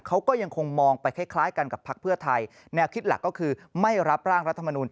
เขาก็ยังคงมองไปคล้ายกันกับพักเพื่อไทยแนวคิดหลักก็คือไม่รับร่างรัฐมนุน